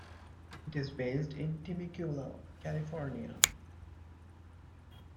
It is based in Temecula, California.